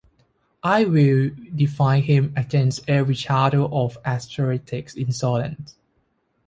I will defend him against every shadow of aristocratic insolence.